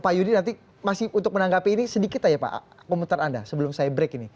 pak yudi nanti masih untuk menanggapi ini sedikit aja pak komentar anda sebelum saya break ini